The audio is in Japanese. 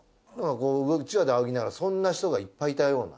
こううちわであおぎながらそんな人がいっぱいいたような。